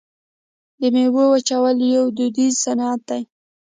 د میوو وچول یو دودیز صنعت دی.